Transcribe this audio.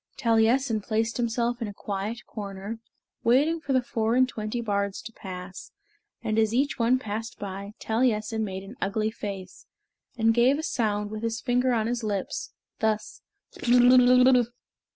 Taliessin placed himself in a quiet corner, waiting for the four and twenty bards to pass, and as each one passed by, Taliessin made an ugly face, and gave a sound with his finger on his lips, thus, "Blerwm, Blerwm."